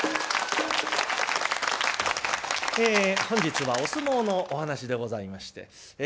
本日はお相撲のお噺でございまして。